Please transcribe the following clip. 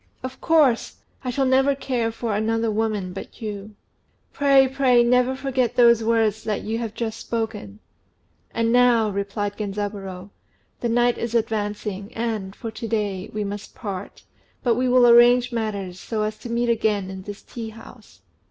"Of course! I shall never care for another woman but you." "Pray, pray, never forget those words that you have just spoken." "And now," replied Genzaburô, "the night is advancing, and, for to day, we must part; but we will arrange matters, so as to meet again in this tea house.